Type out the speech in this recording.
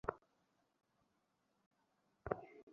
একটু অভিনয় করতে পারো না, বোকা কোথাকার?